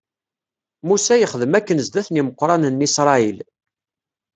Musa yexdem akken zdat n imeqranen n Isṛayil.